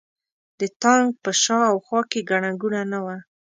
د تانک په شا او خوا کې ګڼه ګوڼه نه وه.